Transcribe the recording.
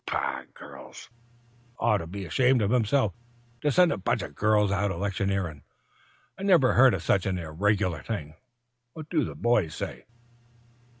"Pah! Girls! Forbes oughter be ashamed of himself, to send a bunch o' girls out electioneerin'. I never heard of such an irregular thing. What do the boys say?"